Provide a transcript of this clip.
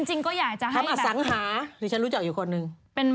จริงก็อยากจะให้แบบทำอสังหาส์นี่ฉันรู้จักอยู่คนนึง